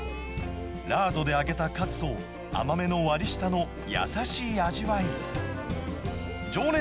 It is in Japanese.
ラードで揚げたカツと甘めの割り下の優しい味わい。